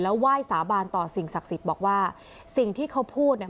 ไหว้สาบานต่อสิ่งศักดิ์สิทธิ์บอกว่าสิ่งที่เขาพูดเนี่ย